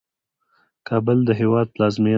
کابل د هیواد پلازمینه ده